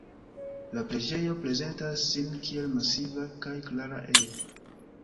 La preĝejo prezentas sin kiel masiva kaj klara ejo.